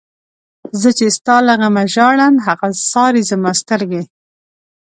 زه چی ستا له غمه ژاړم، هغه څاری زما سترگی